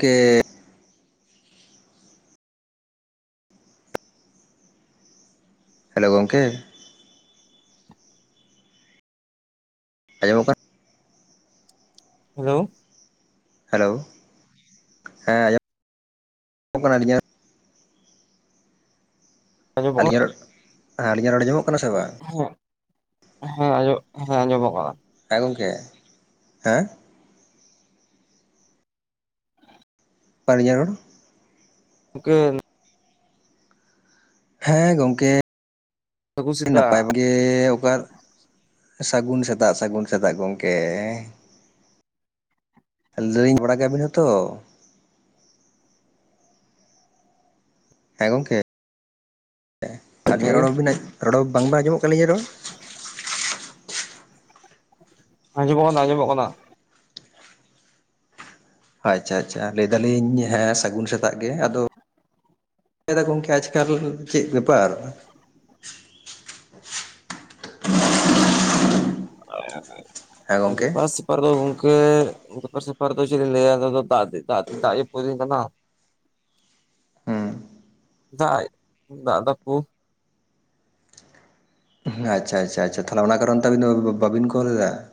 ᱠᱮ hello ᱜᱚᱝᱠᱮ ᱾ ᱟᱸᱡᱚᱢᱚᱜ ᱠᱟ ᱦᱮᱞᱳ ᱾ ᱦᱮᱞᱳ [inaudible] ᱦᱮᱸ ᱟᱸᱡᱚ [inaudible] ᱢᱚᱱ ᱠᱟᱱᱟ ᱟᱹᱞᱤᱧᱟᱜ ᱟᱸᱡᱚᱢᱚᱜ ᱟᱹᱞᱤᱧᱟᱜ ᱨᱚᱲ [inaudible] ᱦᱮᱸ ᱟᱹᱞᱤᱧᱟᱜ ᱨᱚᱲ ᱟᱸᱡᱚᱢᱚᱜ ᱠᱟᱱᱟ ᱥᱮ ᱵᱟ? ᱦᱮᱸ [inaudible] ᱦᱮᱸ ᱟᱡᱚᱢᱚᱜ ᱦᱮᱸ ᱟᱡᱚᱢᱚᱜ-ᱟ ᱾ ᱦᱮᱸ ᱜᱚᱝᱠᱮ ᱾ [inaudible] ᱦᱮ ᱟᱹᱞᱤᱧᱟᱜ ᱨᱚᱲ ᱦᱩᱸ ᱾ ᱦᱮᱸ ᱜᱚᱝᱠᱮ ᱾ ᱥᱟᱹᱜᱩᱱ [inaudible] ᱥᱮᱛᱟᱜ ᱱᱟᱯᱟᱭ [unintelligible] ᱚᱠᱟ ᱥᱟᱹᱜᱩᱱ ᱥᱮᱛᱟᱜ ᱥᱟᱹᱜᱩᱱ ᱥᱮᱛᱟᱜ ᱜᱚᱝᱠᱮ ᱾ [unintelligible] ᱵᱟᱲᱟ ᱜᱮᱭᱟ ᱯᱮ ᱡᱷᱚᱛᱚ? ᱦᱮᱸ ᱜᱚᱝᱠᱮ ᱾ ᱟᱞᱤᱧᱟᱜ ᱦᱮᱸ ᱨᱚᱲ [unintelligible] ᱨᱚᱲ ᱵᱟᱝᱵᱮᱱ ᱟᱸᱡᱚᱢᱮᱜ [unintelligible] ᱨᱚᱲ? ᱟᱸᱡᱚᱢᱚᱜ ᱠᱟᱱᱟ ᱟᱸᱡᱚᱢᱚᱜ ᱠᱟᱱᱟ ᱾ ᱟᱪᱪᱷᱟ ᱟᱪᱪᱷᱟ ᱾ ᱞᱟᱹᱭ ᱮᱫᱟᱞᱤᱧ ᱦᱮᱸ ᱥᱟᱹᱜᱩᱱ ᱥᱮᱛᱟᱜ ᱜᱮ ᱾ ᱟᱫᱚ ᱮᱫᱟ ᱜᱚᱝᱠᱮ ᱟᱪᱠᱟ ᱫᱚ ᱪᱮᱫ ᱵᱮᱯᱟᱨ ᱾ ᱦᱮᱸ ᱜᱚᱝᱠᱮ [inaudible] ᱯᱟᱨ ᱫᱚ ᱜᱚᱝᱠᱮ ᱵᱮᱯᱟᱨ ᱥᱮᱯᱟᱨ ᱫᱚ ᱪᱮᱫ ᱞᱤᱧ ᱞᱟᱹᱭᱟ, ᱟᱫᱚ ᱫᱟᱜ ᱫᱚ ᱫᱟᱜ ᱫᱚ ᱫᱟᱜ ᱡᱟᱹᱯᱩᱫ ᱫᱤᱱ ᱠᱟᱱᱟ ᱾ ᱦᱩᱸ ᱫᱟᱜ ᱫᱟᱜ [unintelligible] ᱟᱪᱪᱷᱟ ᱟᱪᱪᱷᱟ ᱟᱪᱪᱷᱟ ᱟᱪᱪᱷᱟ, ᱛᱟᱦᱚᱞᱮ ᱚᱱᱟ ᱠᱟᱨᱚᱱ ᱛᱮ ᱟᱹᱵᱤᱱ ᱫᱚ ᱵᱟᱹᱵᱤᱱ ᱠᱚᱞ ᱮᱫᱟ ᱾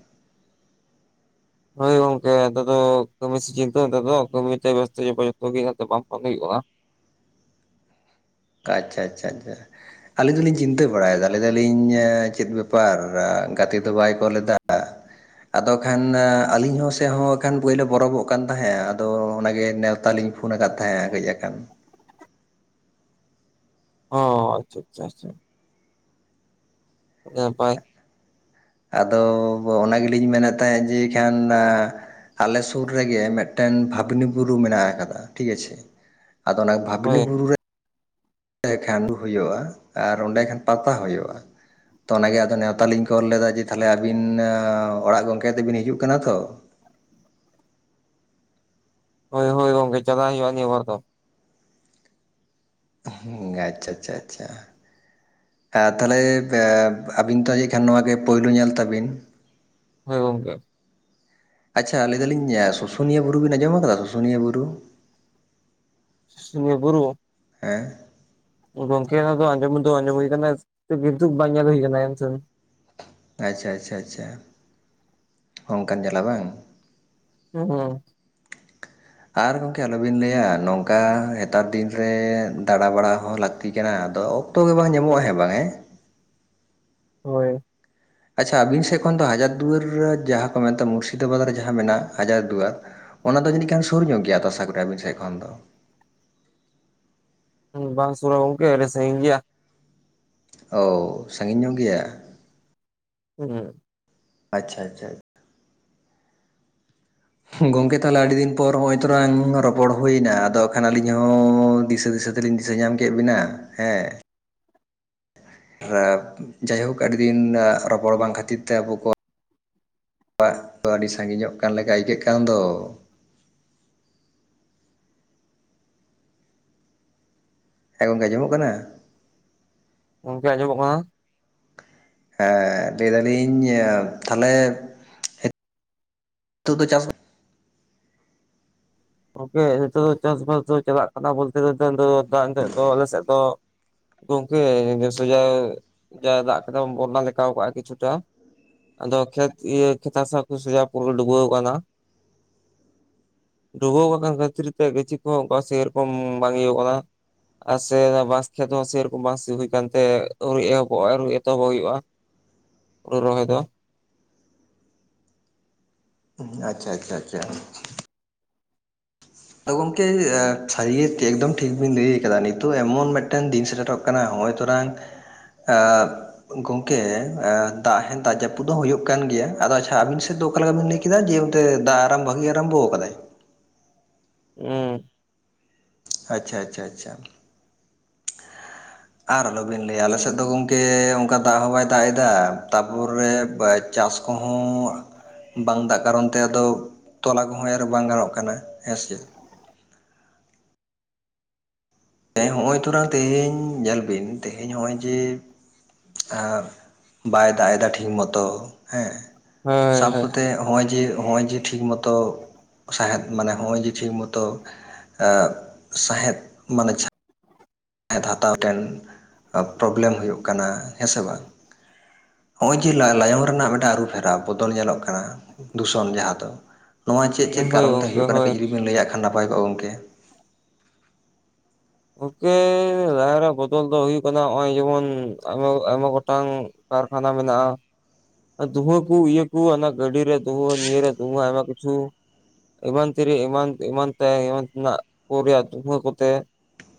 ᱦᱳᱭ ᱜᱚᱝᱠᱮ ᱱᱮᱛᱟᱨ ᱫᱚ ᱠᱟᱢᱤ ᱥᱤᱡᱤᱱ ᱛᱚ ᱱᱮᱛᱟᱨ ᱫᱚ ᱠᱟᱢᱤ ᱛᱮ ᱵᱮᱥᱛᱚ [unintelligible] ᱜᱮ ᱦᱟᱜ ᱟᱫᱚ ᱵᱟᱝ ᱠᱟᱢᱤ ᱦᱩᱭᱩᱜ-ᱟ ᱾ ᱟᱪᱪᱷᱟ ᱟᱪᱪᱷᱟ ᱟᱪᱪᱷᱟ ᱾ ᱟᱹᱞᱤᱧ ᱫᱚᱞᱤᱧ ᱪᱤᱱᱛᱟᱹ ᱵᱟᱲᱟᱭᱮᱫᱟ ᱞᱟᱹᱭ ᱮᱫᱟᱞᱤᱧ ᱮ ᱪᱮᱫ ᱵᱮᱯᱟᱨ ᱜᱟᱛᱮ ᱫᱚ ᱵᱟᱭ ᱠᱚᱞ ᱮᱫᱟ ᱾ ᱟᱫᱚ ᱠᱷᱟᱱ ᱟᱹᱞᱤᱧ ᱦᱚᱸ ᱥᱮᱫ ᱦᱚᱸ ᱠᱷᱟᱱ ᱯᱳᱭᱞᱳ ᱵᱚᱨᱚᱵᱚᱜ ᱠᱟᱱ ᱛᱟᱦᱮᱭᱟ ᱾ ᱟᱫᱚ ᱚᱱᱟᱜᱮ ᱱᱮᱶᱛᱟ ᱞᱤᱧ ᱯᱷᱳᱱ ᱟᱠᱟᱫ ᱛᱟᱦᱮᱜ-ᱟ ᱠᱟᱹᱡ ᱟᱠᱷᱟᱱ, ᱚ ᱟᱪᱪᱷᱟ ᱟᱪᱪᱷᱟ ᱾ ᱱᱟᱯᱟᱭ ᱟᱫᱚ ᱚᱱᱟ ᱜᱮᱞᱤᱧ ᱢᱮᱱᱮᱫ ᱛᱟᱦᱮᱸᱫ ᱡᱮ ᱟᱠᱷᱟᱱ ᱟᱸ ᱟᱞᱮ ᱥᱩᱨ ᱨᱮᱜᱮ ᱢᱤᱫᱴᱮᱱ ᱵᱷᱟᱵᱽᱱᱤ ᱵᱩᱨᱩ ᱢᱮᱱᱟᱜ ᱟᱠᱟᱫᱟ ᱴᱷᱤᱠ ᱟᱪᱷᱮ᱾ ᱟᱫᱚ ᱚᱱᱟ ᱵᱷᱟᱵᱱᱤ ᱦᱳᱭ ᱵᱩᱨᱩ ᱨᱮ ᱮᱜ ᱠᱷᱟᱱᱰᱩ ᱦᱩᱭᱩᱜ-ᱟ ᱟᱨ ᱚᱸᱰᱮ ᱠᱷᱟᱱ ᱯᱟᱛᱟ ᱦᱩᱭᱩᱜ-ᱟ᱾ ᱛᱚ ᱚᱱᱟᱜᱮ ᱟᱫᱚ ᱱᱮᱣᱛᱟ ᱞᱤᱧ ᱠᱚᱞ ᱞᱮᱫᱟ ᱡᱮ ᱛᱟᱦᱚᱞᱮ ᱟᱵᱤᱱ ᱚᱲᱟᱜ ᱜᱚᱝᱠᱮ ᱟᱛᱮᱵᱤᱱ ᱦᱤᱡᱩᱜ ᱠᱟᱱᱟ ᱛᱚ? ᱦᱳᱭ ᱦᱳᱭ ᱜᱚᱝᱠᱮ ᱪᱟᱞᱟᱜ ᱦᱩᱭᱩᱜ-ᱟ ᱱᱤᱭᱟᱹ ᱵᱟᱨ ᱫᱚ᱾ ᱦᱩᱸ ᱜᱚᱝᱠᱮ ᱟᱪᱪᱷᱟ ᱟᱪᱪᱷᱟ ᱟᱪᱪᱷᱟ, ᱟ ᱛᱟᱦᱚᱞᱮ ᱟᱹᱵᱤᱱ ᱛᱚ ᱠᱷᱟᱱ ᱱᱚᱣᱟ ᱜᱮ ᱯᱩᱭᱞᱩ ᱧᱮᱞ ᱛᱟᱵᱤᱱ᱾ ᱦᱳᱭ ᱜᱚᱝᱠᱮ, ᱟᱪᱪᱷᱟ ᱟᱹᱞᱭ ᱫᱟᱹᱞᱤᱧ ᱥᱩᱥᱩᱱᱤᱭᱟᱹ ᱵᱩᱨᱩ ᱵᱤᱱ ᱟᱸᱡᱚᱢ ᱟᱠᱟᱫᱟ ᱥᱩᱥᱩᱱᱤᱭᱟᱹ ᱵᱩᱨᱩ? ᱥᱩᱥᱩᱱᱤᱭᱟᱹ ᱵᱩᱨᱩ᱾ ᱦᱮᱸ, ᱜᱚᱝᱠᱮ ᱚᱱᱟ ᱫᱚ ᱟᱸᱡᱚᱢ ᱫᱚ ᱟᱸᱡᱚᱢ ᱦᱩᱭ ᱠᱟᱱᱟ ᱠᱤᱱᱛᱩ ᱵᱟᱝ ᱧᱮᱞ ᱦᱩᱭ ᱠᱟᱱᱟ ᱦᱮᱸᱥᱮ᱾ ᱟᱪᱪᱷᱟ ᱟᱪᱪᱷᱟ ᱟᱪᱪᱷᱟ ᱚᱱᱠᱟᱱ ᱡᱟᱞᱟ ᱵᱟᱝ, [unintelligible] [unintelligible] ᱟᱨ ᱜᱚᱝᱠᱮ ᱟᱞᱚ ᱵᱤᱱ ᱞᱟᱹᱭᱟ ᱱᱚᱝᱠᱟ ᱱᱮᱛᱟᱨ ᱫᱤᱱ ᱨᱮ ᱫᱟᱬᱟ ᱵᱟᱲᱟ ᱦᱚᱸ ᱞᱟᱹᱠ ᱛᱤ ᱠᱟᱱᱟ ᱟᱫᱚ ᱚᱠᱛᱚ ᱜᱮ ᱵᱟᱝ ᱧᱟᱢᱚᱜ-ᱟ ᱦᱮᱸ ᱵᱟᱝ ᱦᱮ, ᱦᱳᱭ, ᱟᱪᱪᱷᱟ ᱟᱹᱵᱤᱱ ᱥᱮᱫ ᱠᱷᱚᱱ ᱫᱚ ᱦᱟᱡᱟᱨ ᱫᱩᱣᱟᱹᱨ ᱡᱟᱦᱟᱸ ᱠᱚ ᱢᱮᱛᱟᱜ ᱢᱩᱨᱥᱤᱫᱟᱵᱟᱫᱽ ᱨᱮ ᱡᱟᱦᱟᱸ ᱢᱮᱱᱟᱜ-ᱟ ᱦᱟᱡᱟᱨ ᱫᱩᱣᱟᱨ᱾ ᱚᱱᱟ ᱫᱚ ᱡᱟᱱᱤᱡ ᱠᱷᱟᱱ ᱥᱩᱨ ᱧᱚᱜ ᱜᱮᱭᱟ ᱛᱚ ᱟᱥᱟ ᱠᱚᱨᱮ ᱟᱹᱵᱤᱱ ᱥᱮᱫ ᱠᱷᱚᱱ ᱫᱚ᱾ ᱵᱟᱝ ᱥᱩᱨᱟ ᱜᱚᱝᱠᱮ ᱟᱹᱰᱤ ᱥᱟᱹᱜᱤᱧ ᱜᱮᱭᱟ ᱾ ᱚ ᱥᱟᱺᱜᱤᱧ ᱧᱚᱜ ᱜᱮᱭᱟ ᱾ [unintelligible] ᱟᱪᱪᱷᱟ ᱟᱪᱪᱷᱟ ᱜᱚᱝᱠᱮ ᱛᱟᱦᱚᱞᱮ ᱟᱹᱰᱤ ᱫᱤᱱ ᱯᱚᱨ ᱦᱚᱸᱜ-ᱚᱭ ᱛᱚᱲᱟᱝ ᱨᱚᱯᱚᱲ ᱦᱩᱭ ᱮᱱᱟ ᱟᱫᱚ ᱠᱷᱟᱱ ᱟᱹᱞᱤᱧ ᱦᱚᱸ ᱫᱤᱥᱟᱹ ᱫᱤᱥᱟᱹ ᱟᱞᱤᱧ ᱫᱤᱥᱟᱹ ᱧᱟᱢ ᱠᱮᱫ ᱵᱤᱱᱟ ᱦᱮᱸ ᱾ ᱟᱨ ᱡᱟᱭᱦᱳᱠ ᱟᱹᱰᱤ ᱫᱤᱱ ᱨᱚᱯᱚᱲ ᱵᱟᱝ ᱠᱷᱟᱹᱛᱤᱨ ᱛᱮ ᱟᱵᱚ ᱠᱚ ᱚᱲᱟᱜ ᱫᱚ ᱟᱹᱰᱤ ᱥᱟᱺᱜᱤᱧᱚᱜ ᱠᱟᱱ ᱞᱮᱠᱟ ᱟᱹᱭᱠᱟᱹᱜ ᱠᱟᱱ ᱫᱚ ᱾ ᱦᱮᱸ ᱜᱚᱝᱠᱮ ᱟᱡᱚᱢᱚᱜ ᱠᱟᱱᱟ? ᱜᱚᱝᱠᱮ ᱟᱸᱡᱚᱢᱚᱜ ᱠᱟᱱᱟ ᱾ ᱦᱮᱸ ᱞᱟᱹᱭ ᱫᱟᱞᱤᱧ ᱛᱟᱦᱚᱞᱮ ᱱᱤᱛᱚᱜ ᱫᱚ ᱪᱟᱥ ᱜᱚᱢᱠᱮ ᱱᱤᱛᱚᱜ ᱫᱚ ᱪᱟᱥᱵᱟᱥ ᱫᱚ ᱪᱟᱞᱟᱜ ᱠᱟᱱᱟ ᱵᱚᱞᱛᱮ [inaudible] ᱫᱚ ᱟᱞᱮ ᱥᱮᱫ ᱫᱚ ᱜᱚᱝᱠᱮ ᱱᱮᱥ ᱡᱟᱭ ᱫᱟᱜ ᱠᱟᱫᱟ ᱵᱚᱱᱱᱟ ᱞᱮᱠᱟᱣ ᱟᱠᱟᱜ-ᱟ ᱠᱤᱪᱷᱩᱴᱟ ᱾ ᱟᱫᱚ ᱠᱷᱮᱛ ᱤᱭᱟᱹ ᱠᱷᱮᱛ ᱦᱟᱥᱟ ᱠᱚ [inaudible] ᱯᱩᱨᱟᱹ ᱰᱩᱵᱟᱹᱣ ᱟᱠᱟᱱᱟ ᱾ ᱰᱩᱵᱟᱹᱣ ᱟᱠᱟᱱ ᱠᱷᱟᱹᱛᱤᱨ ᱛᱮ ᱜᱟᱹᱪᱷᱤ ᱠᱚᱦᱚᱸ ᱚᱱᱠᱟ ᱥᱮᱨᱚᱠᱚᱢ ᱵᱟᱝ ᱤᱭᱟᱹᱠᱟᱱᱟ ᱾ ᱟᱨ ᱥᱮ ᱵᱟᱸᱥ ᱠᱷᱮᱛ ᱦᱚᱸ ᱥᱮᱨᱚᱠᱚᱢ ᱵᱟ ᱥᱤ ᱦᱩᱭ ᱟᱠᱟᱱᱛᱮ ᱟᱹᱣᱨᱤ ᱮᱦᱚᱵᱚᱜ-ᱟ ᱟᱹᱣᱨᱤ ᱮᱛᱚᱦᱚᱵᱚᱜ ᱦᱩᱭᱩᱜ-ᱟ ᱾ [unintelligible] ᱦᱩᱲᱩ ᱨᱚᱦᱚᱭ ᱫᱚ ᱾ ᱟᱪᱪᱷᱟ ᱟᱪᱪᱷᱟ ᱟᱪᱪᱷᱟ ᱾ ᱟ ᱜᱚᱝᱠᱮ ᱥᱟᱹᱨᱤ ᱮᱠᱫᱚᱢ ᱴᱷᱤᱠ ᱵᱤᱱ ᱞᱟᱹᱭ ᱟᱠᱟᱫᱟ ᱱᱤᱛᱚᱜ ᱮᱢᱚᱱ ᱢᱤᱫᱴᱮᱱ ᱫᱤᱱ ᱥᱮᱴᱮᱨᱚᱜ ᱠᱟᱱᱟ ᱦᱚᱸ-ᱚᱭ ᱛᱚᱨᱟᱝ ᱟ ᱜᱚᱝᱠᱮ ᱫᱟᱜ ᱦᱮᱸ ᱫᱟᱜ ᱡᱟᱹᱯᱩᱫ ᱫᱚ ᱦᱩᱭᱩᱜ ᱠᱟᱱ ᱜᱮᱭᱟ ᱟᱫᱚ ᱟᱪᱷᱟ ᱟᱵᱤᱱ ᱥᱮᱫ ᱫᱚ ᱚᱠᱟ ᱞᱮᱠᱟ ᱵᱤᱱ ᱞᱟᱹᱭ ᱠᱮᱫᱟᱭ ᱡᱮ ᱚᱱᱛᱮ ᱫᱟᱜ ᱟᱨᱟᱢ ᱵᱷᱟᱹᱜᱤ ᱟᱨᱟᱢᱵᱚ ᱠᱟᱫᱟᱭ? ᱩᱸ᱾ ᱟᱪᱷᱟ ᱟᱪᱷᱟ ᱟᱪᱷᱟ ᱾ ᱟᱨ ᱟᱞᱚᱵᱤᱱ ᱞᱟᱹᱭᱟ ᱟᱞᱮᱥᱮᱫ ᱫᱚ ᱜᱚᱢᱠᱮ ᱚᱱᱠᱟ ᱫᱟᱜ ᱦᱚᱸ ᱵᱟᱭ ᱫᱟᱜ ᱮᱫᱟ ᱛᱟᱯᱚᱨᱮ ᱪᱟᱥ ᱠᱚᱦᱚᱸ ᱵᱟᱝ ᱫᱟᱜ ᱠᱟᱨᱚᱱ ᱛᱮ ᱟᱫᱚ ᱛᱚᱞᱟ ᱠᱚᱦᱚᱸ ᱮᱨ ᱵᱟᱝ ᱜᱟᱱᱚᱜ ᱠᱟᱱᱟ ᱦᱮᱸᱥᱮ᱾ ᱮᱸ ᱦᱚᱸᱜᱚᱭ ᱛᱩᱨᱟ ᱛᱮᱦᱮᱧ ᱧᱮᱞ ᱵᱤᱱ ᱛᱮᱦᱮᱧ ᱦᱚᱸᱜᱼᱚᱭ ᱡᱮ ᱟᱨ ᱵᱟᱭ ᱫᱟᱜ ᱮᱫᱟ ᱴᱷᱤᱠ ᱢᱚᱛᱚ ᱦᱮᱸ ᱦᱳᱭ ᱥᱟᱵ ᱠᱚᱛᱮ ᱦᱚᱸᱜᱼᱚᱭ ᱡᱮ ᱦᱚᱸᱜᱼᱚᱭ ᱡᱮ ᱴᱷᱤᱠ ᱢᱚᱛᱚ ᱥᱟᱦᱮᱫ ᱢᱟᱱᱮ ᱦᱚᱸᱜᱼᱚᱭ ᱡᱮ ᱴᱷᱤᱠ ᱢᱚᱛᱚ ᱮᱸᱜ ᱥᱟᱸᱦᱮᱫ ᱢᱟᱱᱮ ᱦᱟᱛᱟᱣᱴᱮᱱ ᱯᱨᱚᱵᱞᱮᱢ ᱦᱩᱭᱩᱜ ᱠᱟᱱᱟ ᱦᱮᱸᱥᱮ ᱵᱟᱝ? ᱦᱚᱸᱜᱼᱚᱭ ᱡᱮ ᱞᱟᱭᱚᱝ ᱨᱮᱱᱟᱜ ᱢᱤᱫᱴᱟᱱ ᱟᱹᱨᱩ ᱯᱷᱮᱨᱟᱣ ᱵᱚᱫᱚᱞ ᱧᱮᱞᱚᱜ ᱠᱟᱱᱟ ᱫᱩᱥᱚᱱ ᱡᱟᱦᱟᱸ ᱫᱚ ᱾ ᱱᱚᱣᱟ ᱪᱮᱫ ᱦᱳᱭ ᱪᱮᱫ ᱦᱳᱭ ᱠᱟᱨᱚᱱ ᱛᱮ ᱜᱚᱝᱠᱮ ᱦᱩᱭᱩᱜ ᱠᱟᱱᱟ ᱦᱳᱭ ᱠᱟᱹᱡ ᱡᱩᱫᱤ ᱵᱮᱱ ᱞᱟᱹᱭᱟᱜ ᱠᱷᱟᱱ ᱱᱟᱯᱟᱭ ᱠᱚᱜᱼᱟ ᱜᱚᱢᱠᱮ ᱾ ᱜᱚᱝᱠᱮ ᱞᱟᱭᱚᱝ ᱨᱮᱭᱟᱜ ᱵᱚᱫᱚᱞ ᱫᱚ ᱦᱩᱭᱩᱜ ᱠᱟᱱᱟ ᱦᱚᱸᱜᱼᱚᱭ ᱡᱮᱢᱚᱱ ᱟᱭᱢᱟ ᱟᱭᱢᱟ ᱜᱚᱴᱟᱝ ᱠᱟᱨᱠᱷᱟᱱᱟ ᱢᱮᱱᱟᱜᱼᱟ ᱾ ᱫᱩᱸᱦᱟᱹ ᱠᱚ ᱤᱭᱟᱹ ᱠᱚ ᱚᱱᱟ ᱜᱟᱹᱰᱤ ᱨᱮ ᱫᱷᱩᱸᱦᱟᱹ ᱱᱤᱭᱟᱹᱨᱮ ᱫᱩᱦᱟᱹ ᱟᱭᱢᱟ ᱠᱤᱪᱷᱩ ᱮᱢᱟᱱ ᱛᱤᱨᱮ ᱮᱢᱟᱱ ᱮᱢᱟᱱ ᱛᱮ ᱮᱢᱟᱱ ᱛᱮᱱᱟᱜ ᱠᱚ ᱨᱮᱭᱟᱜ ᱫᱩᱦᱟᱹ ᱠᱚᱛᱮ,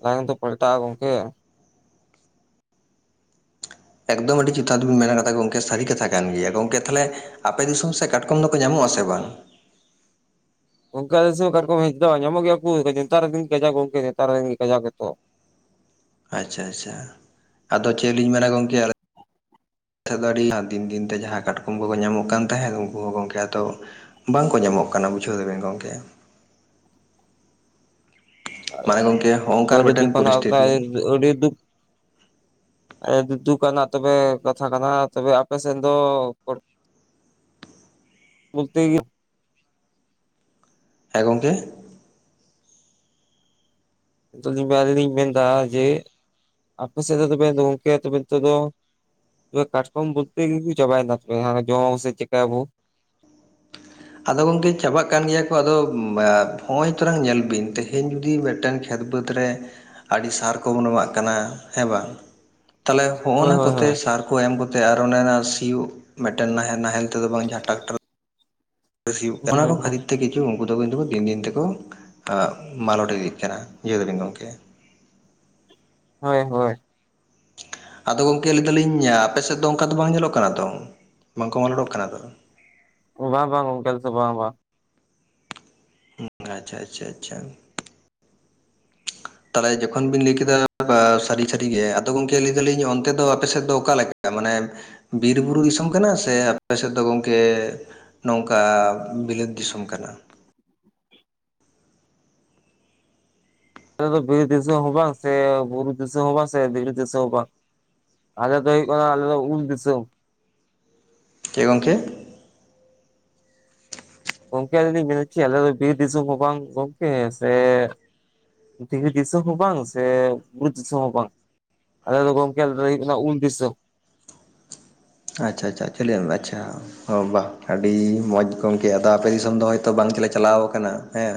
ᱞᱟᱭᱚᱱ ᱫᱚ ᱯᱟᱞᱴᱟᱜ-ᱟ ᱜᱚᱢᱠᱮ ᱾ ᱮᱠᱫᱚᱢ ᱟᱹᱰᱤ ᱡᱚᱛᱷᱟᱛ ᱵᱤᱱ ᱢᱮᱱ ᱠᱟᱫᱟ ᱜᱚᱝᱠᱮ ᱥᱟᱹᱨᱤ ᱠᱟᱛᱷᱟ ᱠᱟᱱ ᱜᱮᱭᱟ ᱜᱚᱢᱠᱮ ᱛᱟᱦᱚᱞᱮ ᱟᱯᱮ ᱫᱤᱥᱚᱢ ᱥᱮᱫ ᱠᱟᱴᱠᱚᱢ ᱫᱚᱠᱚ ᱧᱟᱢᱚᱜ ᱟᱥᱮ ᱵᱟᱝ? ᱜᱚᱝᱠᱮ ᱟᱞᱮᱥᱮᱫ ᱠᱟᱴᱠᱚᱢ ᱦᱤᱡ ᱫᱚ ᱟᱡᱚᱢ ᱜᱮᱭᱟ ᱯᱩᱣ ᱱᱮᱛᱟᱨ ᱫᱤᱱ ᱠᱟᱡᱟᱜᱽ ᱜᱚᱢᱠᱮ ᱱᱮᱛᱟᱨ ᱫᱤᱱ ᱜᱮ ᱠᱟᱡᱟᱜᱽ ᱜᱮᱠᱚ ᱟᱪᱷᱟ ᱟᱪᱷᱟ, ᱟᱫᱚ ᱪᱮᱫ ᱞᱤᱧ ᱢᱮᱱᱟ ᱜᱚᱝᱠᱮ [unintelligible] ᱫᱤᱱ ᱫᱤᱱᱛᱮ ᱡᱟᱦᱟᱸ ᱠᱟᱴᱠᱚᱢ ᱠᱚᱠᱚ ᱧᱟᱢᱚᱜ ᱠᱟᱱ ᱛᱟᱦᱮᱸᱫ ᱩᱱᱠᱩ ᱦᱚᱸ ᱜᱚᱢᱠᱮ ᱟᱫᱚ ᱵᱟᱝᱠᱚ ᱧᱟᱢᱚᱜ ᱠᱟᱱᱟ ᱵᱩᱡᱷᱟᱹᱣ ᱫᱟᱵᱤᱱ ᱜᱚᱢᱠᱮ ᱾ ᱢᱟᱱᱮ ᱜᱚᱝᱠᱮ [unintelligible] ᱦᱚᱸᱜᱼᱚᱝᱠᱟᱱ ᱢᱤᱫᱴᱮᱱ ᱯᱚᱨᱤᱥᱛᱷᱤᱛᱤ ᱦᱮᱸ ᱟᱹᱰᱤ ᱫᱩᱠᱷ ᱟᱰᱤ ᱫᱩᱠ ᱟᱱᱟᱜ ᱛᱚᱵᱮ ᱠᱟᱛᱷᱟ ᱠᱟᱱᱟ ᱛᱚᱵᱮ ᱟᱯᱮᱥᱮᱱ ᱫᱚ ᱵᱚᱞᱛᱮ ᱜᱮ ᱦᱮᱸ ᱜᱚᱢᱠᱮ? ᱱᱤᱛᱚᱜ [unintelligible] ᱟᱹᱞᱤᱧ ᱞᱤᱧ ᱢᱮᱱᱫᱟ ᱡᱮ ᱟᱯᱮ ᱥᱮᱫ ᱫᱚ ᱛᱚᱯᱮ ᱟᱫᱚ ᱜᱚᱝᱠᱮ ᱛᱚᱵᱮ ᱱᱤᱛᱚᱜ ᱫᱚ ᱛᱚᱵᱮ ᱠᱟᱴᱠᱚᱢ ᱵᱚᱞᱛᱮ ᱜᱮᱠᱩ ᱪᱟᱵᱟᱭᱱᱟ ᱛᱚᱵᱮ ᱡᱚᱢᱟ ᱥᱮ ᱪᱮᱠᱟᱭ ᱵᱚ ᱟᱫᱚ ᱜᱚᱝᱠᱮ ᱪᱟᱵᱟᱜ ᱠᱟᱱ ᱜᱮᱭᱟ ᱠᱚ ᱟᱫᱚ ᱱᱚᱸᱜᱼᱚᱭ ᱛᱚᱨᱟᱝ ᱧᱮᱞ ᱵᱤᱱ ᱛᱮᱦᱮᱧ ᱡᱩᱫᱤ ᱢᱤᱫᱴᱮᱱ ᱠᱷᱮᱛ ᱵᱟᱹᱫᱽ ᱨᱮ ᱟᱹᱰᱤ ᱥᱟᱨ ᱠᱚᱵᱚᱱ ᱮᱢᱟᱜ ᱠᱟᱱᱟ ᱦᱮᱸ ᱵᱟᱝ? ᱛᱟᱦᱚᱞᱮ ᱦᱳᱭ ᱦᱚᱸᱜᱼᱱᱟ ᱦᱳᱭ ᱠᱚᱛᱮ ᱦᱳᱭ ᱥᱟᱨ ᱠᱩ ᱮᱢ ᱠᱟᱛᱮ ᱟᱨ ᱚᱱᱟ ᱱᱟ ᱥᱤᱭᱳᱜ ᱢᱤᱫᱴᱮᱱ ᱱᱟᱦᱮᱞ ᱱᱟᱦᱮᱞ ᱛᱮᱫᱚ ᱵᱟᱝ ᱴᱟᱨᱟᱠᱟᱨ ᱥᱤᱭᱩᱜ ᱦᱩᱸ ᱚᱱᱟ ᱠᱚ ᱦᱩᱸ ᱠᱷᱟᱹᱛᱤᱨ ᱛᱮ ᱩᱱᱠᱩ ᱫᱚ ᱠᱤᱱᱛᱩ ᱫᱤᱱ ᱫᱤᱱ ᱛᱮᱠᱚ ᱢᱟᱞᱚᱴ ᱤᱫᱤᱜ ᱠᱟᱱᱟ ᱡᱷᱟᱣ ᱫᱟᱵᱤᱱ ᱜᱚᱢᱠᱮ? ᱦᱳᱭ ᱦᱳᱭ᱾ ᱟᱫᱚ ᱜᱚᱢᱠᱮ ᱞᱟᱹᱭ ᱫᱟᱞᱤᱧ ᱟᱯᱮ ᱥᱮᱫ ᱫᱚ ᱚᱱᱠᱟ ᱫᱚ ᱵᱟᱝ ᱧᱮᱞᱚᱜ ᱠᱟᱱᱟ ᱛᱚ? ᱵᱟᱝᱠᱚ ᱢᱟᱞᱚᱴᱚᱜ ᱠᱟᱱᱟ ᱛᱚ? ᱵᱟᱝ ᱵᱟᱝ ᱜᱚᱝᱠᱮ ᱟᱞᱮ ᱥᱮᱫ ᱵᱟᱝ ᱵᱟᱝ᱾ ᱦᱩᱸ ᱟᱪᱪᱷᱟ ᱟᱪᱪᱷᱟ ᱟᱪᱪᱷᱟ᱾ ᱛᱟᱦᱚᱞᱮ ᱡᱚᱠᱷᱚᱱ ᱵᱤᱱ ᱞᱟᱹᱭ ᱠᱮᱫᱟ ᱥᱟᱹᱨᱤ ᱥᱟᱹᱨᱤᱜᱮ ᱟᱫᱚ ᱜᱚᱢᱠᱮ ᱞᱟᱹᱭ ᱫᱟᱞᱤᱧ ᱚᱱᱛᱮ ᱫᱚ ᱟᱯᱮ ᱥᱮᱫ ᱫᱚ ᱚᱠᱟ ᱞᱮᱠᱟ ᱢᱟᱱᱮ ᱵᱤᱨ ᱵᱩᱨᱩ ᱫᱤᱥᱚᱢ ᱠᱟᱱᱟ ᱥᱮ ᱟᱯᱮ ᱥᱮᱫ ᱫᱚ ᱜᱚᱢᱠᱮ ᱱᱚᱝᱠᱟ ᱵᱤᱞᱟᱹᱛ ᱫᱤᱥᱚᱢ ᱠᱟᱱᱟ? ᱟᱞᱮ ᱫᱚ ᱵᱤᱨ ᱫᱤᱥᱚᱢ ᱦᱚᱸ ᱵᱟᱝ, ᱥᱮ ᱵᱩᱨᱩ ᱫᱤᱥᱚᱢ ᱦᱚᱸ ᱵᱟᱝ, ᱥᱮ ᱫᱤᱲᱤ ᱫᱤᱥᱚᱢ ᱦᱚᱸ ᱵᱟᱝ, ᱟᱞᱮ ᱫᱚ ᱦᱳᱭᱳᱜ ᱠᱟᱱᱟ ᱟᱞᱮ ᱫᱚ ᱩᱞ ᱫᱤᱥᱟᱹᱢ᱾ ᱪᱮ ᱜᱚᱝᱠᱮ? ᱜᱚᱝᱠᱮ ᱟᱞᱤᱧ ᱞᱤᱧ ᱢᱮᱱᱮᱫ ᱦᱚᱪᱚ ᱟᱞᱮ ᱫᱚ ᱵᱤᱨ ᱫᱤᱥᱚᱢ ᱦᱚᱸ ᱵᱟᱝ ᱜᱚᱝᱠᱮ ᱥᱮ ᱫᱷᱤᱨᱤ ᱫᱤᱥᱟᱹᱢ ᱦᱚᱸ ᱵᱟᱝ ᱥᱮ ᱵᱩᱨᱩ ᱫᱤᱥᱟᱹᱢ ᱦᱚᱸ ᱵᱟᱝ ᱟᱞᱮ ᱫᱚ ᱜᱚᱝᱠᱮ ᱟᱞᱮ ᱫᱚᱞᱮ ᱦᱳᱭᱳᱜ ᱠᱟᱱᱟ ᱩᱞ ᱫᱤᱥᱟᱹᱢ ᱟᱪᱪᱷᱟ ᱟᱪᱪᱷᱟ ᱟᱪᱩᱞᱤᱭᱟᱢ ᱮᱢ ᱟᱪᱪᱷᱟ ᱚ ᱵᱟᱦ ᱟᱹᱰᱤ ᱢᱚᱡᱽ ᱜᱚᱢᱠᱮ ᱟᱫᱚ ᱟᱯᱮ ᱫᱤᱥᱚᱢ ᱫᱚ ᱦᱚᱭᱛᱳ ᱵᱟᱝ ᱜᱮᱞᱮ ᱪᱟᱞᱟᱣ ᱠᱟᱱᱟ ᱦᱮᱸ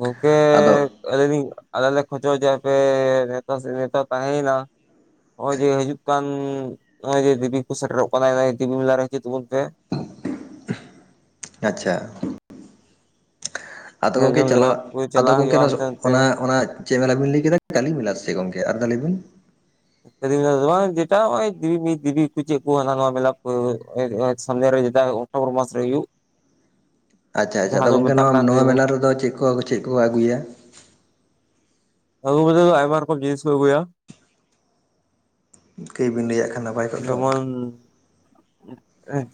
ᱜᱟᱝᱠᱮ ᱟᱫᱚ ᱟᱞᱤᱧ ᱞᱤᱧ ᱟᱞᱮ ᱞᱮ ᱠᱷᱚᱡᱚᱜ-ᱟ ᱡᱮ ᱟᱯᱮ ᱱᱮᱣᱛᱟ ᱥᱮ ᱱᱮᱣᱛᱟ ᱛᱟᱦᱮᱭ ᱱᱟ᱾ ᱱᱚᱜ ᱚᱭ ᱡᱮ ᱦᱤᱡᱩᱜ ᱠᱟᱱ ᱱᱚᱜ ᱚᱭ ᱡᱮ ᱫᱮᱵᱤ ᱠᱚ ᱥᱮᱴᱮᱨᱚᱜ ᱠᱟᱱᱟ ᱫᱮᱵᱤ ᱢᱮᱞᱟ ᱨᱮ ᱦᱤᱡᱩᱜ ᱛᱟᱵᱚᱱ ᱯᱮ᱾ ᱟᱪᱪᱷᱟ ᱟᱫᱚ ᱧᱮᱞ ᱜᱚᱝᱠᱮ ᱡᱚᱝ ᱡᱟᱭᱜᱟ ᱪᱟᱞᱟᱜ ᱠᱚ ᱟᱫᱚ ᱪᱟᱞᱟᱜ ᱜᱚᱝᱠᱮ ᱦᱩᱭᱩᱜᱼᱟ ᱦᱟᱱᱛᱮ ᱱᱟᱛᱮ ᱚᱱᱟ ᱚᱱᱟᱜ ᱪᱮᱫ ᱢᱮᱞᱟ ᱵᱤᱱ ᱞᱟᱹᱭ ᱠᱮᱫᱟ ᱠᱟᱹᱞᱤ ᱢᱮᱞᱟ ᱥᱮ ᱜᱚᱝᱠᱮ ᱟᱨ ᱫᱷᱟᱣ ᱞᱟᱹᱭ ᱵᱤᱱ? ᱡᱮᱴᱟ ᱱᱚᱜ ᱚᱭ ᱫᱤᱵᱤ, ᱫᱤᱵᱤ ᱯᱩᱡᱟᱹ ᱠᱚ ᱪᱮᱫ ᱠᱚ ᱦᱟᱱᱟ ᱱᱚᱣᱟ ᱢᱮᱞᱟ ᱠᱚ ᱥᱟᱢᱱᱮ ᱨᱮ ᱡᱮᱴᱟ ᱚᱴᱵᱚᱨ ᱢᱟᱥ ᱨᱮ ᱦᱩᱭᱩᱜ ᱟᱪᱪᱷᱟ ᱟᱪᱪᱷᱟ ᱡᱟᱦᱟᱸ ᱛᱚ ᱫᱚ ᱜᱚᱝᱠᱮ ᱢᱮᱛᱟᱜ ᱱᱚᱣᱟ ᱠᱟᱱ ᱱᱚᱣᱟ ᱢᱮᱞᱟ ᱨᱮᱫᱚ ᱪᱮᱫ ᱠᱚ ᱪᱮᱫ ᱠᱚ ᱟᱹᱜᱩᱭᱟ? ᱟᱹᱜᱩ ᱵᱚᱞᱛᱮᱫᱚ ᱟᱭᱢᱟ ᱨᱚᱠᱚᱢ ᱡᱤᱱᱤᱥ ᱠᱚ ᱟᱹᱜᱩᱭᱟ ᱠᱟᱹᱭ ᱵᱤᱱ ᱞᱟᱹᱭᱟᱜ ᱠᱷᱟᱱ ᱱᱟᱯ ᱡᱮᱢᱚᱱ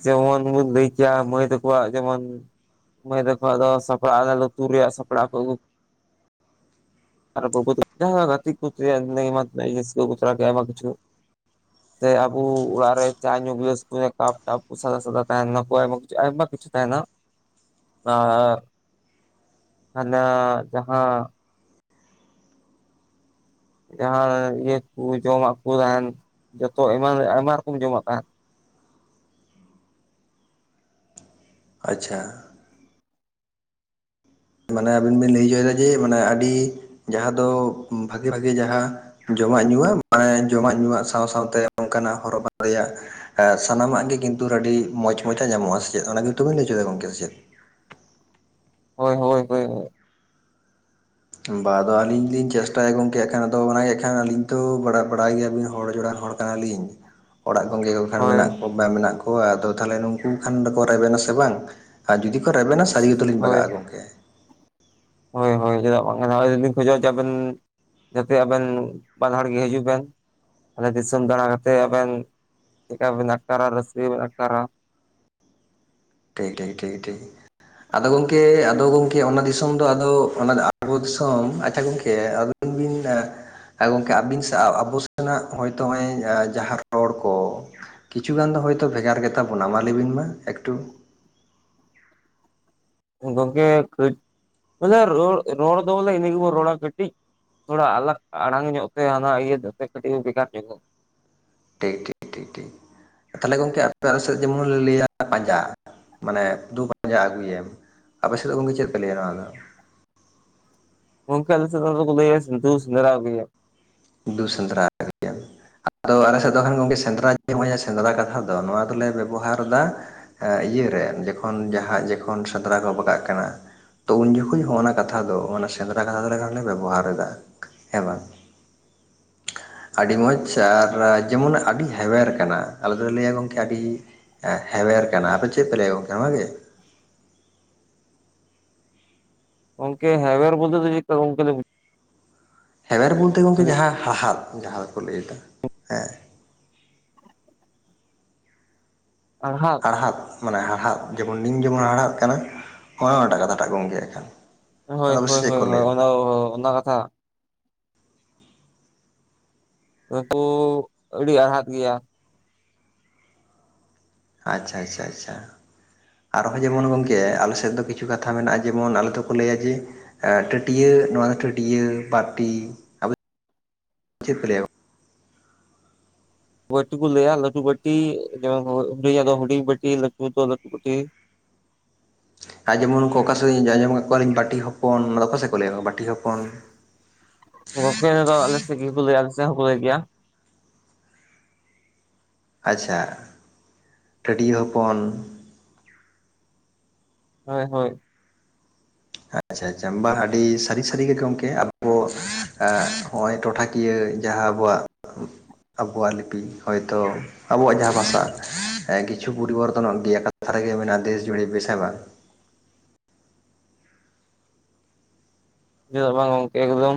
ᱡᱮᱢᱚᱱ ᱵᱚᱱ ᱞᱟᱹᱭ ᱠᱮᱭᱟ ᱢᱟᱹᱭ ᱛᱟᱠᱚᱣᱟᱜ ᱡᱮᱢᱚᱱ ᱢᱟᱹᱭ ᱛᱟᱠᱳᱣᱟᱜ ᱫᱚ ᱥᱟᱯᱲᱟ ᱞᱩᱛᱩᱨ ᱨᱮᱭᱟᱜ ᱥᱟᱯᱲᱟ ᱠᱚ ᱟᱜᱩ ᱟᱨ ᱜᱟᱛᱨ ᱜᱮ ᱟᱭᱢᱟ ᱠᱪᱩ [unintelligible] ᱥᱮ ᱟᱵᱚ ᱚᱲᱟᱜ ᱨᱮ ᱪᱟ ᱧᱩ ᱜᱤᱞᱟᱹᱥ ᱠᱚ ᱠᱟᱯ ᱴᱟᱯ ᱥᱟᱫᱟ ᱥᱟᱫᱟ ᱛᱟᱦᱮᱠᱚ ᱟᱭᱢᱟ ᱠᱤᱪᱷᱩ ᱟᱭᱢᱟ ᱠᱤᱪᱷᱩ ᱛᱟᱦᱮᱱᱟ ᱟᱨ ᱦᱟᱱᱟ ᱡᱟᱦᱟᱸ ᱡᱟᱦᱟᱸ ᱤᱭᱟᱹ ᱠᱚ ᱡᱚᱢᱟᱜ ᱠᱚ ᱛᱟᱦᱮᱱ ᱡᱚᱛᱚ ᱮᱢᱟᱱ ᱟᱭᱢᱟ ᱨᱚᱠᱚᱢ ᱡᱚᱢᱟᱜ ᱛᱟᱦᱮᱱ ᱟᱪᱪᱷᱟ ᱢᱟᱱᱮ ᱟᱵᱤᱱ ᱵᱤᱱ ᱞᱟᱹᱭ ᱪᱚᱭᱮᱫᱟ ᱡᱮ ᱢᱟᱱᱮ ᱟᱹᱰᱤ ᱡᱟᱦᱟᱸ ᱫᱚ ᱵᱷᱟᱜᱤ ᱵᱷᱟᱜᱤ ᱡᱟᱦᱟᱸ ᱡᱚᱢᱟᱜ ᱧᱩᱣᱟᱜ ᱡᱚᱢᱟᱜ ᱧᱩᱣᱟᱜ ᱥᱟᱶ ᱥᱟᱶᱛᱮ ᱚᱱᱠᱟᱱᱟᱜ ᱦᱚᱨᱚᱜ ᱵᱟᱸᱫᱮ ᱭᱟᱜ ᱮᱜ ᱥᱟᱱᱟᱢᱟᱜ ᱜᱮ ᱠᱤᱱᱛᱩ ᱟᱹᱰᱤ ᱢᱚᱸᱡᱽ ᱢᱚᱡᱟᱜ ᱧᱟᱢᱚᱜᱼᱟ ᱥᱮ ᱪᱮᱫ ᱚᱱᱟ ᱜᱮᱛᱚ ᱵᱤᱱ ᱞᱟᱹᱭ ᱪᱳᱭᱫᱟ ᱜᱚᱝᱠᱮ ᱥᱮ ᱪᱮᱫ? ᱦᱳᱭ ᱦᱳᱭ ᱦᱳᱭ ᱵᱟ ᱟᱫᱚ ᱟᱹᱞᱤᱧ ᱞᱤᱧ ᱪᱮᱥᱴᱟᱭᱟ ᱜᱚᱝᱠᱮ ᱮᱠᱷᱟᱱ ᱟᱫᱚ ᱚᱱᱟᱜᱮ ᱮᱜ ᱠᱷᱟᱱ ᱟᱞᱤᱧ ᱛᱚ ᱵᱟ ᱵᱟᱲᱟᱭ ᱜᱮᱭᱟᱵᱤᱱ ᱦᱚᱲ ᱡᱚᱲᱟ ᱦᱚᱲ ᱛᱟ ᱞᱤᱧ ᱚᱲᱟᱜ ᱜᱚᱝᱠᱮ ᱠᱚ ᱠᱷᱟᱱ ᱦᱳᱭ ᱢᱮᱱᱟᱜ ᱠᱚ ᱢᱮᱱᱟᱜ ᱠᱚᱣᱟ ᱟᱫᱚ ᱛᱟᱦᱚᱞᱮ ᱱᱩᱠᱩ ᱠᱷᱟᱱ ᱫᱚᱠᱚ ᱨᱮᱵᱮᱱᱟ ᱥᱮ ᱵᱟᱝ ᱟᱨ ᱡᱩᱫᱤ ᱠᱚ ᱨᱮᱵᱮᱱᱟ ᱥᱟᱹᱨᱤ ᱩᱛᱟᱹᱨᱞᱤᱧ ᱦᱳᱭ ᱵᱟᱜᱟᱜᱼᱟ ᱜᱚᱝᱠᱮ᱾ ᱦᱳᱭ ᱦᱳᱭ ᱪᱮᱫᱟᱜ ᱵᱟᱝ ᱟᱹᱞᱤᱧ ᱞᱤᱧ ᱠᱷᱚᱡᱚᱜᱼᱟ ᱡᱮ ᱟᱵᱮᱱ ᱡᱟᱛᱮ ᱟᱵᱮᱱ ᱵᱟᱱᱟ ᱦᱚᱲ ᱜᱮ ᱦᱤᱡᱩᱜ ᱵᱮᱱ ᱟᱞᱮ ᱫᱤᱥᱚᱢ ᱫᱟᱲᱟ ᱠᱟᱛᱮ ᱟᱵᱮᱱ ᱪᱮᱫᱠᱟ ᱵᱮᱱ ᱟᱴᱠᱟᱨᱟ ᱨᱟᱹᱥᱠᱟᱹ ᱜᱮ ᱵᱮᱱ ᱟᱴᱠᱟᱨᱟ ᱴᱷᱤᱠ ᱴᱷᱤᱠ ᱴᱷᱤᱠ ᱴᱷᱤᱠ ᱟᱫᱚ ᱜᱚᱝᱠᱮ ᱟᱫᱚ ᱜᱚᱝᱠᱮ ᱚᱱᱟ ᱫᱤᱥᱚᱢ ᱫᱚ ᱟᱫᱚ ᱚᱱᱟ ᱫᱚ ᱟᱵᱚ ᱫᱤᱥᱚᱢ ᱟᱪᱪᱷᱟ ᱜᱚᱝᱠᱮ ᱟᱹᱵᱤᱱ ᱮ ᱦᱮᱸ ᱜᱚᱝᱠᱮ ᱟᱹᱵᱤᱱ ᱥᱟᱣ ᱟᱵᱚ ᱥᱮᱱᱟᱜ ᱦᱚᱭᱛᱚ ᱱᱚᱜᱼᱚᱭ ᱡᱟᱦᱟᱸ ᱨᱚᱲ ᱠᱚ ᱠᱤᱪᱷᱩ ᱜᱟᱱ ᱫᱚ ᱦᱚᱭᱛᱚ ᱵᱷᱮᱜᱟᱨ ᱜᱮᱛᱟ ᱵᱚᱱᱟ ᱢᱟ ᱞᱟᱹᱭ ᱵᱤᱱ ᱢᱟ ᱮᱠᱴᱩ? ᱜᱚᱝᱠᱮ ᱠᱟᱹᱡ ᱵᱚᱞᱮ ᱨᱚᱲ ᱨᱚᱲ ᱫᱚ ᱵᱚᱞᱮ ᱤᱱᱟᱹ ᱜᱮᱵᱚᱱ ᱨᱚᱲᱟ ᱠᱟᱹᱴᱤᱡ ᱛᱷᱚᱲᱟ ᱟᱞᱟᱜᱽ ᱟᱲᱟᱝ ᱧᱚᱜ ᱛᱮ ᱦᱟᱱᱟ ᱤᱭᱟᱹ ᱛᱮᱫ ᱛᱮ ᱠᱟᱹᱴᱤᱡ ᱵᱷᱮᱜᱟᱨ ᱧᱚᱜᱚᱜ ᱴᱷᱤᱠ ᱴᱷᱤᱠ, ᱴᱷᱤᱠ ᱴᱷᱤᱠ, ᱛᱟᱞᱦᱮ ᱜᱚᱝᱠᱮ ᱟᱯᱮ ᱟᱞᱮ ᱥᱮᱫ ᱡᱮᱢᱚᱱ ᱞᱮ ᱞᱟᱹᱭᱟ ᱯᱟᱸᱡᱟ ᱢᱟᱱᱮ ᱫᱩ ᱯᱟᱸᱡᱟ ᱟᱹᱜᱩᱭᱮᱢ, ᱟᱯᱮ ᱥᱮᱫ ᱫᱚ ᱜᱚᱢᱠᱮ ᱪᱮᱫ ᱠᱚ ᱞᱟᱹᱭᱟ ᱱᱚᱣᱟ ᱫᱚ? ᱜᱚᱢᱠᱮ ᱟᱞᱮᱥᱮᱫ ᱫᱚ ᱱᱚᱣᱟ ᱫᱚᱠᱚ ᱞᱟᱹᱭᱟ, ᱫᱩ ᱥᱮᱸᱫᱽᱨᱟ ᱟᱹᱜᱩᱭᱮᱢ, ᱫᱩ ᱥᱮᱸᱫᱽᱨᱟ ᱟᱹᱜᱩᱭᱮᱢ, ᱟᱫᱚ ᱟᱞᱮ ᱥᱮᱫ ᱫᱚ ᱟᱠᱷᱟᱱ ᱜᱚᱝᱠᱮ ᱥᱮᱸᱫᱽᱨᱟ ᱱᱚᱜᱼᱚᱭ ᱥᱮᱸᱫᱽᱨᱟ ᱠᱟᱛᱷᱟ ᱫᱚ ᱱᱚᱣᱟ ᱫᱚᱞᱮ ᱵᱮᱵᱚᱦᱟᱨ ᱫᱟ ᱮᱸ ᱤᱭᱟᱹᱨᱮ, ᱡᱚᱠᱷᱚᱱ ᱡᱟᱦᱟᱸ ᱡᱚᱠᱷᱚᱱ ᱥᱮᱸᱫᱽᱨᱟ ᱠᱚ ᱵᱟᱜᱟᱜ ᱠᱟᱱᱟ, ᱛᱚ ᱩᱱ ᱡᱚᱠᱷᱚᱡ ᱦᱚᱼᱚᱱᱟ ᱠᱟᱛᱷᱟ ᱫᱚ ᱚᱱᱟ ᱥᱮᱸᱫᱽᱨᱟ ᱠᱟᱛᱷᱟ ᱫᱚ ᱟᱠᱷᱟᱱᱞᱮ ᱵᱮᱵᱚᱦᱟᱨᱫᱟ ᱦᱮᱸ ᱵᱟᱝ, ᱟᱹᱰᱤ ᱢᱚᱡᱽ ᱟᱨ ᱡᱮᱢᱚᱱ ᱟᱹᱰᱤ ᱦᱮᱣᱮᱨ ᱠᱟᱱᱟ, ᱟᱞᱮ ᱫᱚᱞᱮ ᱞᱟᱹᱭᱟ ᱜᱚᱢᱠᱮ ᱟᱹᱰᱤ ᱮᱸ ᱦᱮᱣᱮᱨ ᱠᱟᱱᱟ, ᱟᱯᱮ ᱪᱮᱫ ᱯᱮ ᱞᱟᱹᱭᱟ ᱜᱚᱝᱠᱮ ᱚᱱᱟᱜᱮ? ᱜᱚᱝᱠᱮ, ᱦᱮᱣᱮᱨ ᱵᱚᱞᱛᱮ ᱫᱚ ᱪᱮᱫᱠᱟ ᱜᱚᱝᱠᱮ ᱞᱟᱹᱭ ᱵᱤᱱ? ᱦᱮᱵᱮᱨ ᱵᱚᱞᱛᱮ ᱜᱚᱝᱠᱮ ᱡᱟᱦᱟᱸ ᱦᱟᱦᱟᱫ ᱡᱟᱦᱟᱸ ᱫᱚᱠᱚ ᱞᱟᱹᱭ ᱮᱫᱟ ᱦᱮᱸ, ᱦᱟᱲᱦᱟᱫ ᱦᱟᱫ ᱢᱟᱱᱮ ᱦᱟᱲᱦᱟᱫ, ᱡᱮᱢᱚᱱ ᱱᱤᱢ ᱡᱮᱢᱚᱱ ᱦᱟᱲᱦᱟᱫ ᱠᱟᱱᱟ, ᱱᱚᱜᱼᱚᱭ ᱚᱱᱟᱴᱟᱜ ᱠᱟᱛᱷᱟᱴᱟᱜ ᱜᱚᱢᱠᱮ, ᱦᱳᱭ, ᱦᱳᱭ, ᱦᱳᱭ, ᱦᱳᱭ ᱚᱱᱟ ᱚᱱᱟ ᱠᱟᱛᱷᱟ, ᱱᱩᱯᱩ ᱟᱹᱰᱤ ᱟᱲᱦᱟᱛ ᱜᱮᱭᱟ, ᱟᱪᱪᱷᱟ ᱟᱪᱪᱷᱟ, ᱟᱪᱪᱷᱟ ᱟᱨᱦᱚᱸ ᱡᱮᱢᱚᱱ ᱜᱚᱝᱠᱮ ᱟᱞᱮᱥᱮᱫ ᱫᱚ ᱠᱤᱪᱷᱩ ᱠᱟᱛᱷᱟ ᱢᱮᱱᱟᱜᱼᱟ ᱡᱮᱢᱚᱱ ᱟᱞᱮ ᱫᱚᱠᱚ ᱞᱟᱹᱭᱟ ᱡᱮ, ᱮᱸᱜ ᱴᱟᱹᱴᱭᱟᱹ ᱱᱚᱣᱟ ᱫᱚ ᱴᱟᱹᱴᱭᱟᱹ ᱵᱟᱹᱴᱤ, ᱟᱯᱮ ᱪᱮᱫ ᱯᱮ ᱞᱟᱹᱭᱟ ᱜᱚ ᱵᱟᱹᱴᱤ ᱠᱚ ᱞᱟᱹᱭᱟ ᱞᱟᱹᱴᱩ ᱵᱟᱹᱴᱤ, ᱡᱮᱢᱚᱱ ᱦᱩᱰᱤᱧᱟᱜ ᱫᱚ ᱦᱩᱰᱤᱧ ᱵᱟᱹᱴᱤ ᱞᱟᱹᱴᱩ ᱫᱚ ᱞᱟᱹᱴᱩ ᱵᱟᱹᱴᱤ, ᱟᱨ ᱡᱮᱢᱚᱱ ᱠᱚ ᱚᱠᱟ ᱥᱮᱫ ᱞᱤᱧ, ᱟᱸᱡᱚᱢ ᱟᱠᱟᱫ ᱠᱚᱣᱟᱞᱤᱧ ᱵᱟᱹᱴᱤ ᱦᱚᱯᱚᱱ, ᱚᱠᱟ ᱥᱮᱫ ᱠᱚ ᱞᱟᱹᱭᱟ ᱵᱟᱹᱴᱤ ᱦᱚᱯᱚᱱ? ᱜᱚᱝᱠᱮ ᱚᱱᱟᱫᱚ ᱟᱞᱮᱥᱮᱫ ᱜᱮᱠᱚ ᱞᱟᱹᱭᱟ, ᱟᱞᱮᱥᱮᱫ ᱦᱚᱸᱠᱚ ᱞᱟᱹᱭ ᱜᱮᱭᱟ, ᱟᱪᱪᱷᱟ, ᱴᱟᱹᱴᱭᱟᱹ ᱦᱚᱯᱚᱱ, ᱦᱳᱭ ᱦᱳᱭ, ᱟᱪᱪᱷᱟ ᱟᱪᱪᱷᱟ ᱵᱟᱝ ᱟᱹᱰᱤ ᱥᱟᱹᱨᱤ ᱥᱟᱹᱨᱤ ᱜᱮ ᱜᱚᱢᱠᱮ ᱟᱵᱚ ᱮᱸᱜ ᱦᱚᱼᱚᱭ ᱴᱚᱴᱷᱟ ᱠᱤᱭᱟᱹ ᱡᱟᱦᱟᱸ ᱟᱵᱚᱣᱟᱜ, ᱟᱵᱚᱣᱟᱜ ᱞᱤᱯᱤ ᱦᱚᱭᱛᱚ, ᱟᱵᱚᱣᱟᱜ ᱡᱟᱦᱟᱸ ᱵᱷᱟᱥᱟ ᱮᱸ ᱠᱤᱪᱷᱩ ᱯᱚᱨᱤᱵᱚᱨᱛᱚᱱᱚᱜ ᱜᱮᱭᱟ, ᱠᱟᱛᱷᱟ ᱨᱮᱜᱮ ᱢᱮᱱᱟᱜᱼᱟ ᱫᱮᱥ ᱡᱩᱨᱮ ᱵᱮᱥ ᱦᱮᱸ ᱵᱟᱝ? ᱪᱮᱫᱟᱜ ᱵᱟᱝ ᱜᱚᱢᱠᱮ, ᱮᱠᱫᱚᱢ᱾